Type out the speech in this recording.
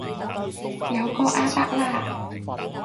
有個阿伯啦